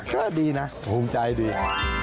ก็ดีนะภูมิใจดี